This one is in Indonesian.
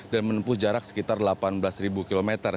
dan menempuh jarak sekitar delapan belas km